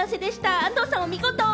安藤さん、お見事！